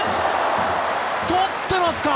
とってますか。